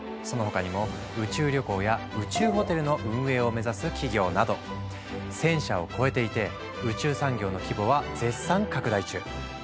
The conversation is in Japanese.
その他にも宇宙旅行や宇宙ホテルの運営を目指す企業など１，０００社を超えていて宇宙産業の規模は絶賛拡大中。